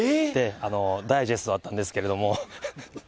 ダイジェストだったんですけれども。